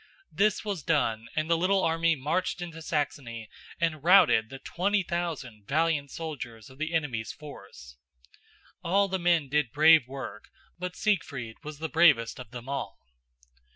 This was done and the little army marched into Saxony and routed the twenty thousand valiant soldiers of the enemy's force. All the men did brave work, but Siegfried was the bravest of them all.